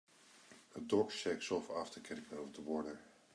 A dog shakes off after getting out of the water.